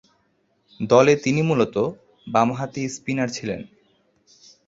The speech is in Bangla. দলে তিনি মূলতঃ বামহাতি স্পিনার ছিলেন।